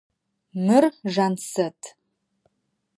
Мыр Жансэт.